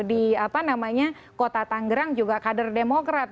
di apa namanya kota tanggerang juga kader demokrat